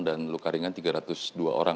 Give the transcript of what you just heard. dan luka ringan tiga ratus dua orang